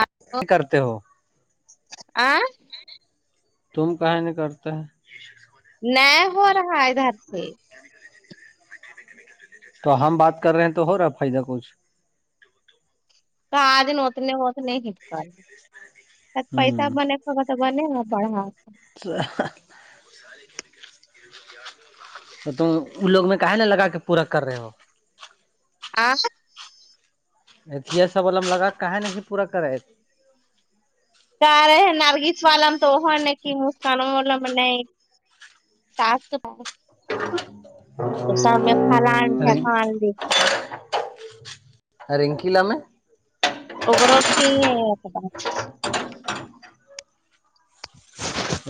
آ کرتے ہو تم کہاں نہیں کرتے ہے نہیں ہو رہا ادھر سے تو ہم بات کر رہے ہیں تو ہو رہا ہے فائدہ کچھ کا دن اتنے اتنے ہٹ کر پیسہ ہوں بنے س ک تو گنے ہ پڑھاؤ تو [inaudible] تو تم ان لوگ میں کہے نا لگا کے پورا کر رہے ہو آ ات یہ سب الم لگا کہ نہیں پورا کرات کار نرگیس والالم تو ہوا نے کی مس کاانم والول م نہیں سات پ ہاں تو سب میں فلانیکان بھی رنک ل میں اگر کیتا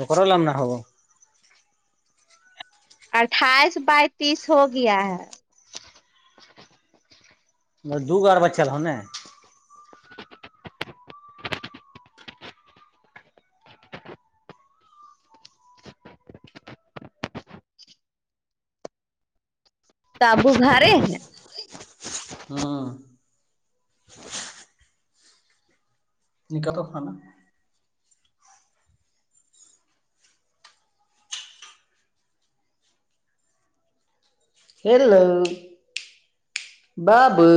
اکر لام نہا ہوگ اٹھائیس بائیتییس ہو گیا ہے م دو گو آ اور بچےل ہوں نے تبو گھارے ہیں ہاں نکا تو خانا ہیلو بابو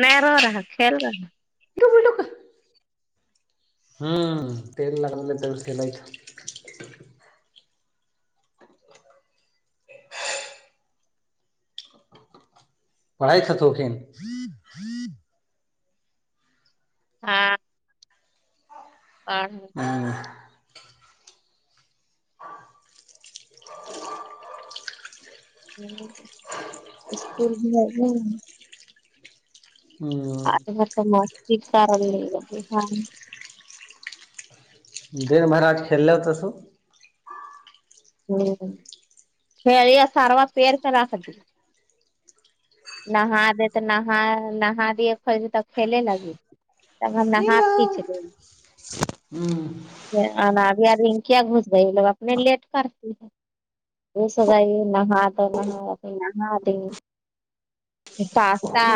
نہیں رہو رہا کل رہا ہوں تیل لگے ت سل پڑھائی تھ تو کھین ہوں ہاں ہاں ہ ہاں اسکول میں نہیں ا ب تو مستی کرار نہیں اب ہاں دن بھرات کھیلو تو س خیا ساروا پیر کرا خ نا دے تو نا نا دے خ ت کھیلے لگی تب ہم نے ہاتف ہیلو کھینچ لے ہوں آ اب ار کیا گھس گئے لوگ اپنے لیٹ کرتی ہے وہ سائی نہا تو نہا نہاتی پاستا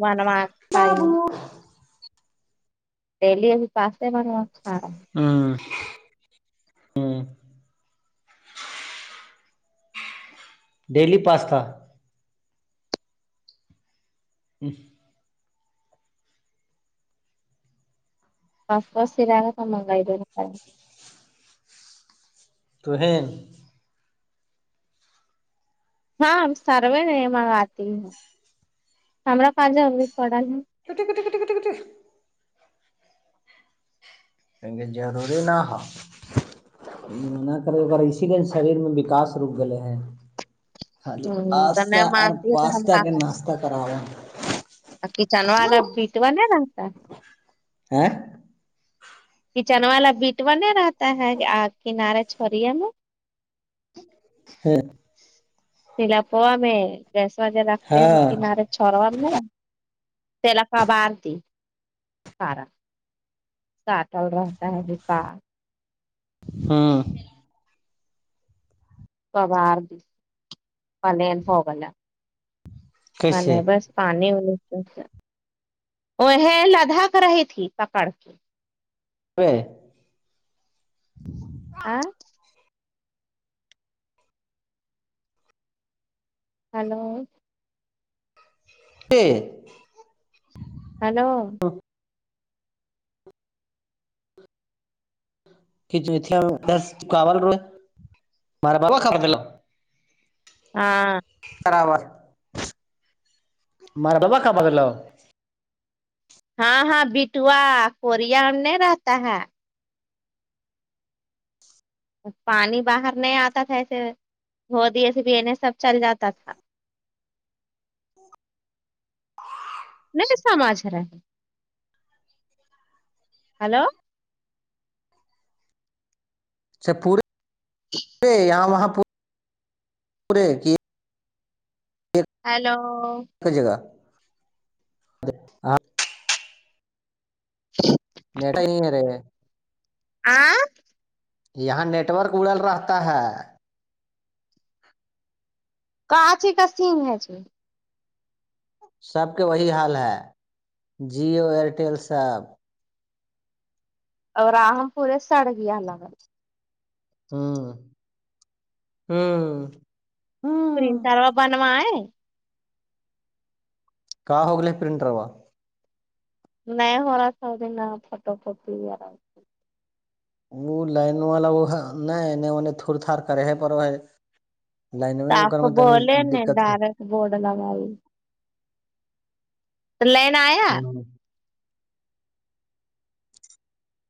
منو کھائی بابو دلیی بھی پاسے میںو اچھا ہے ہاں ہوں ڈیلی پاستا ہی فسا سم گ ہے توہیں [unintelligible] کٹ کٹ کٹ کیونکہ ضروری نہ ہاں نہ کر ا اسی لیے شریر میں وکاس رک گے ہیں ہاں جی استہ اور پاستہ کے ناشتہ کرایا کچن والا بٹوا نہیں رہتا ہے ہیں کچن والا بیٹوانہیں رہتا ہے آگ کنارے چھڑیے میں ہاں ہاں [unintelligible] چڑوا نا تلا کا برتی کارا سٹل رہتا ہے بکار ہاں [unintelligible] پانی کیسے وال وہ لداخ رہی تھی پکڑ کے میں آ ہلو پی ہلو [unintelligible] ہاں برابر مارا ڈبا [unintelligible] ہاں ہاں بٹوا کوریا میں رہتا ہے پانی باہر نہیں آتا تھا ایسے گھ دے سے پنے سب چل جاتا تھا [unintelligible] ہلو اچھا پورے پورے یہاں وہاں پ پورے کی ہیلو جگہ ہاں [inaudible] نیٹ نہیں رہے آ یہاں نیٹ ورک اڑل رہتا ہے کہچی کا سین ہے چ سب کے وہی حال ہے جیو ایئرٹیل سب اور راہم پورے سڑ گیا ح ال ہاں ہوں کرریم ہوں کروا بنوائے [unintelligible] [unintelligible] وہ لائن والا وہ ہے نہیں انے انے تھڑ تھڑ کرے ہے پر وہ لائن میں وہ کر میں تنی دقت ہے بڈ لگاائی لین آیا [unintelligible]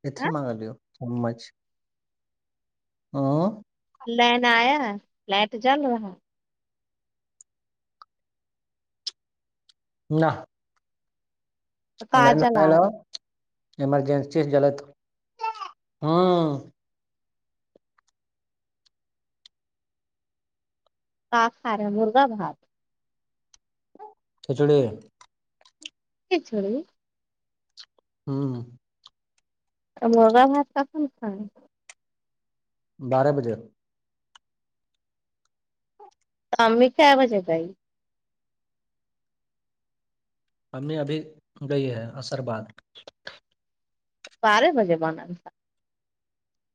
اتھر مگاالو چمچھ ہوں [unintelligible] لائین آیا ہے لائٹ چل رہا ہے نہ [inaudible] ایمرجینسی سے جلد ہ سھار ہے مرغا بھات کھڑے [unintelligible] چھوڑی [unintelligible] ہاں مغا بات ککن ک بارہ بجے شام میں چ بجے گئی امی ابھی گئی ہے عصر باد بارہ بجے بنا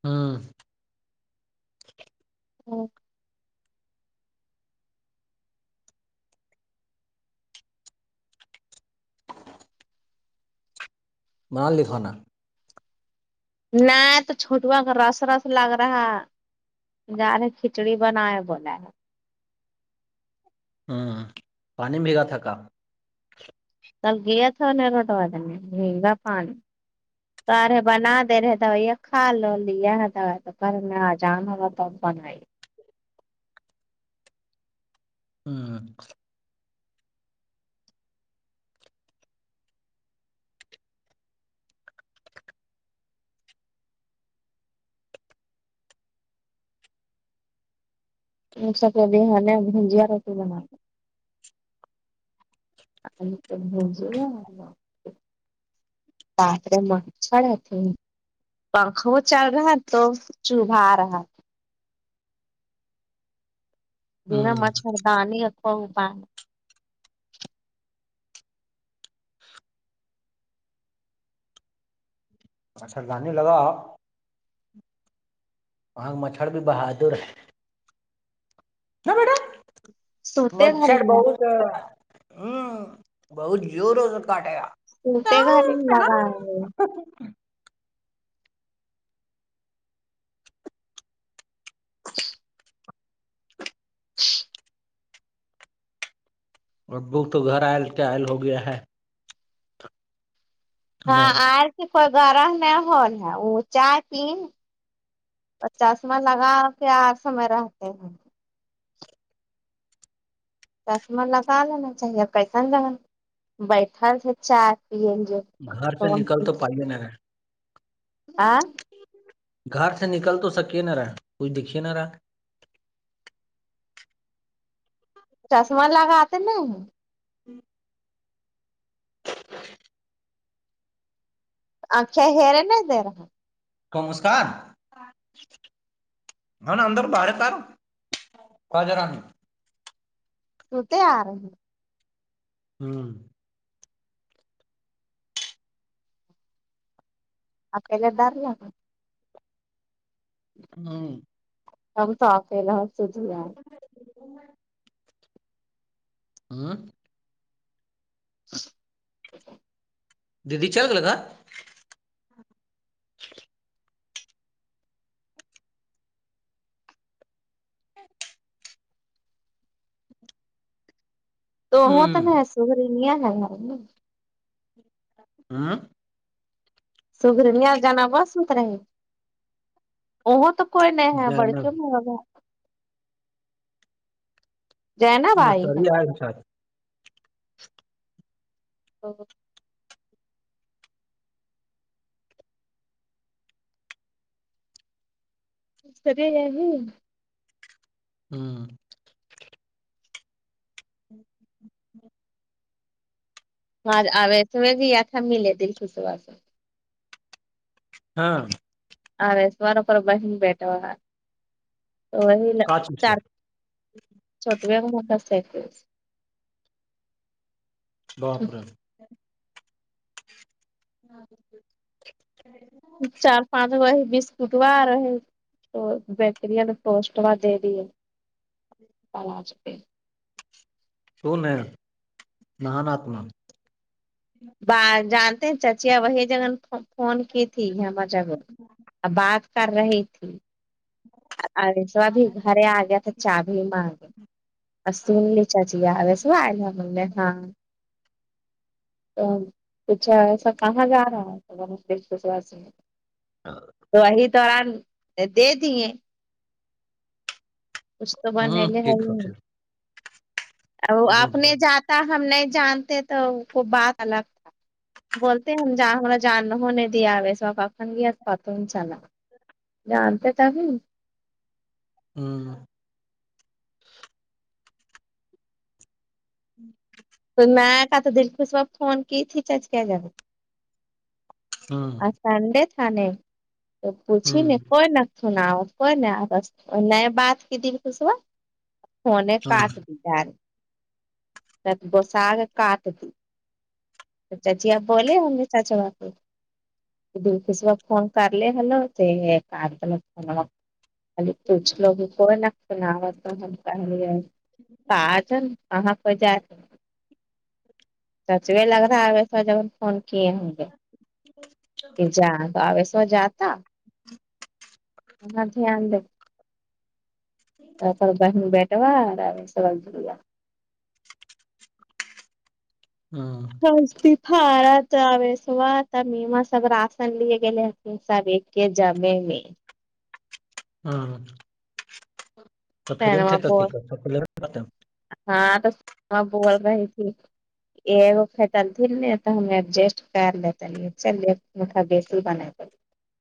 ہاں [unintelligible] او [inaudible] م لکھانا [unintelligible] نہیں تو چھوٹوا کا رس رس لگ رہا جا نے کھچڑی بنا ہے بول نا ہوں پانی بگا تھا کا ت گیا تھا ن روڈ وال د مگا پانی گ رہ بنا دے رہے دو یہ کھا لو ل تو میں آ جان ہو [unintelligible] تب بنائیے ہوں ا سب بھی ہے ن بھجیا روٹی بنا دو مج [unintelligible] [inaudible] رپے م چھڑا تھی پنکھا وہ چل رہا ہے تو چولہا آ رہا ہے دناا ہوں مچھھرد نہیں اکا ا پان اچھا جانی لگا [unintelligible] وہاں کا مچھرڑ بھی بہادر ہے ہ مڈا سوتے مھٹ گھر بہت ہوں بہت جووروں سے کاٹیا [unintelligible] توتے گری لگا [inaudible] اور بک تو گھر آئل کے آئل ہو گیا ہے ہاں نہیں آر کی کوئی گرم نہیں ہول اون چائے پین پچاسم لگا پ آار سمے رہتے ہیں چسما لگا لینا چاہیے کیسن لگ بیٹھل تھ چائے پیل جو گھر پہ کون نکل تو پائیے نہ ہے آاں [unintelligible] گھر سے نکل تو سکے نہا رہا کچھ دیککھھیے نہا رہا چشمہ لگاتے نہیں ہی [inaudible] آکھیں ہیرے نہیں دے رہا کو مسکان ہ نےا اندر بارے کار کو جرا نہیں سوتے آ رہی ہیں ھم اپی ل ڈا رہ ل ہاں ہم تو ھم [unintelligible] دیدی چل جچھ تو وہ تو میں سرینیا ہے ھم سگرنیا جانا بسنترے ا تو کوئی نہیں ہے جانا بڑکوں میں ہوگا جینب آئی مچور ہے آئے ا شاید ا سریح ہے نہیں ھم جی ج آوس و جی یہ تھا ملے د کشبس ہاں آیس والاروں پر بہن بیٹھا ہوا تو وہی کاچ سے چار چوٹویا م کاس بہاپرم ہاں ج اوک میم چار پانچ تو بکرییا نے پوسٹوا دے دی ہے پج کے تو ن مان آاتما جانتے ہیں چچیا وہی جگہ فون کی تھی یہم بات کر رہی تھیس بھی گھر آ گیا تھا چا بھی مگے اس لی چاچییا آ س آ ل م نے ہاں تو کچھا ایسا کہاں جا رہا ہے سش کےس واسی میں ہ تو وہی تووران دے دیے اس تو بعد ہوں نلے ہے ٹھیک ہی نہیں ٹھیک گڈ آنے گڈ جاتا ہم نہیں جانتے تو کو بات الگ تھا بولتے ہم ج ہم جان نہیں دیا آب س کن گ پت چلا جانتے تھایں ہوں ھم تو میں کہتا دل خوش وا فون کی ری چارج کیا جا ہاں ٹھنڈے تھا ن تو پوچھی ن ہوں کوئی ن سناؤ کوئی ن رست نئے بات کی د خشبا فونی ہاں کاٹ دی پر بسگ کاٹتی اچھا جی آپ بولے ہم نے سچااب د ص ب فون کر لی ہلو [unintelligible] اال کچھ لوگوں کو نہ سنا ہوا تو ہم کہ لے [unintelligible] ا سا جبن فون کی ہے [unintelligible] [unintelligible] [unintelligible] ہاں [unintelligible] راشن لیے گے سب ایک کے جمے میں ہاں سنما بول [unintelligible] ہاں تو س بول رہی تھی [unintelligible] ہم ایڈجسٹ کر لی چلا بنا